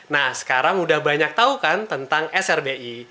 nah sekarang udah banyak tahu kan tentang srbi